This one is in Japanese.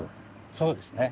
そうですね。